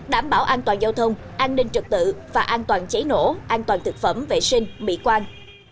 đảm bảo an toàn giao thông an ninh trật tự và an toàn cháy nổ an toàn thực phẩm vệ sinh mỹ quan